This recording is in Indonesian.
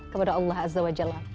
kepada allah azza wa jalla